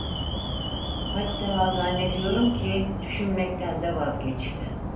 Hatta zannediyorum ki, düşünmekten de vazgeçti…